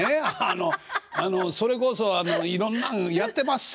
あのそれこそいろんなんやってまっせ。